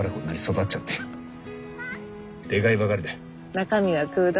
中身は空洞？